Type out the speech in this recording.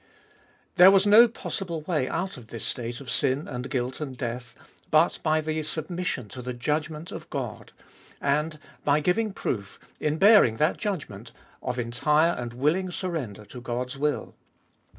There was no possible way out of this state of sin and guilt and death, but by the submission to the judg ment of God, and by giving proof, in bearing that judgment, of entire and willing surrender to God's will.